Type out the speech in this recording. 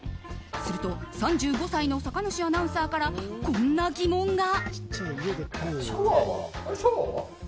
すると３５歳の酒主アナウンサーからこんな疑問が。